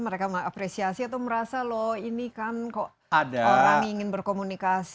mereka mengapresiasi atau merasa loh ini kan kok orang ingin berkomunikasi